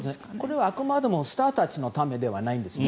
これはあくまでもスターたちのためではないんですね。